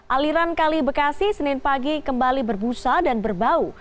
aliran kali bekasi senin pagi kembali berbusa dan berbau